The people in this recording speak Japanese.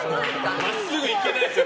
真っすぐは行けないですよ。